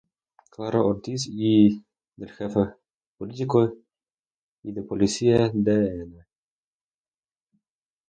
Claro Ortiz y del Jefe Político y de Policía Dn.